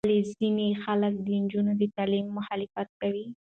ولې ځینې خلک د نجونو د تعلیم مخالفت کوي؟